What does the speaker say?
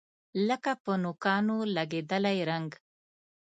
لکه په نوکانو لګیدلی رنګ